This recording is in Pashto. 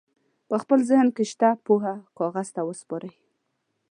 په خپل ذهن کې شته پوهه کاغذ ته وسپارئ.